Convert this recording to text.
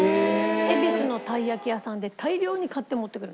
恵比寿のたい焼き屋さんで大量に買って持ってくる。